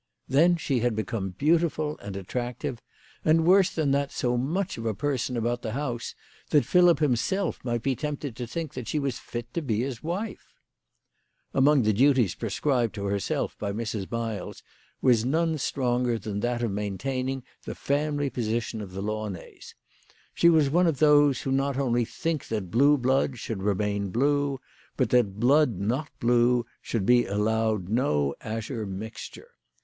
Then she had become beautiful and attractive, and worse than that, so much of a person about the house that Philip himself might be tempted to think that she was fit to be his wife ! Among the duties prescribed to herself by Mrs. Miles was none stronger than that of maintaining the family position of the Launays. She was one of those who not only think that blue blood should remain blue, but that blood not blue should be allowed no azure mixture.